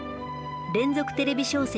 連続テレビ小説